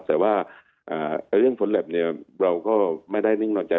แต่เรื่องโฟนแล็ปเราก็ไม่ได้นิ่งหล่อใจ